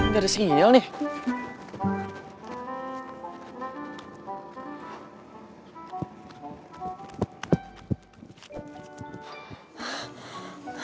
gak ada sial nih